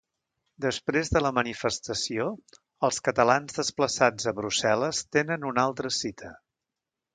Després de la manifestació els catalans desplaçats a Brussel·les tenen una altra cita.